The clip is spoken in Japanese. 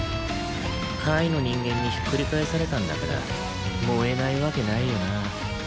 下位の人間にひっくり返されたんだから燃えないわけないよな。